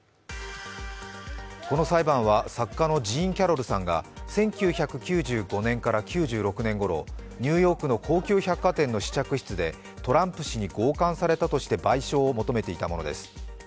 この裁判は作家のジーン・キャロルさんが１９９５年から９６年ごろ、ニューヨークの高級百貨店の試着室でトランプ氏に強姦されたとして賠償を求めていたものです。